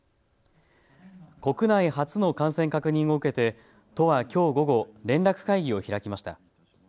国内初の感染確認を受けて都はきょう午後、連絡会議を開きました。